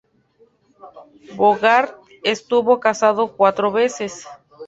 Bogart estuvo casado cuatro veces.